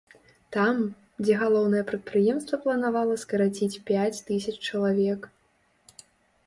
Там, дзе галоўнае прадпрыемства планавала скараціць пяць тысяч чалавек.